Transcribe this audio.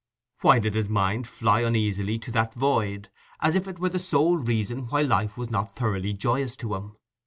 Why did his mind fly uneasily to that void, as if it were the sole reason why life was not thoroughly joyous to him?